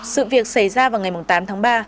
sự việc xảy ra vào ngày tám tháng ba